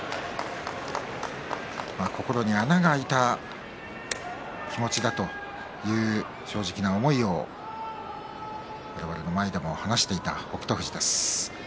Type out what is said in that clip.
心に穴が開いた気持ちだと正直な思いを我々の前で話していた北勝富士です。